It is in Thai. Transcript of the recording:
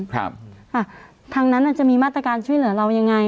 ทางนั้นอาจจะมีมาตรการช่วยเหลือเรายังไง